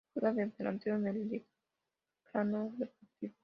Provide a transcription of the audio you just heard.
Juega de delantero en el Yeclano Deportivo.